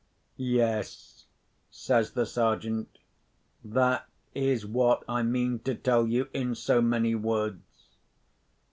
"Yes," says the Sergeant; "that is what I mean to tell you, in so many words.